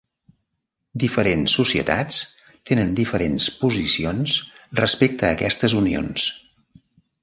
Diferents societats tenen diferents posicions respecte a aquestes unions.